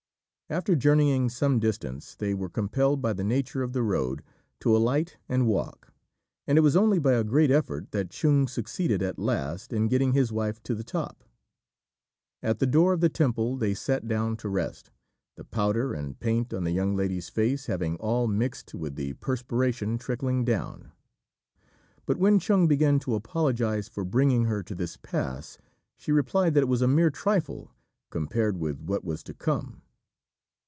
After journeying some distance, they were compelled by the nature of the road to alight and walk; and it was only by a great effort that Chung succeeded at last in getting his wife to the top. At the door of the temple they sat down to rest, the powder and paint on the young lady's face having all mixed with the perspiration trickling down; but when Chung began to apologize for bringing her to this pass, she replied that it was a mere trifle compared with what was to come.